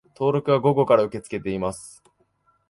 登録は午後から受け付けています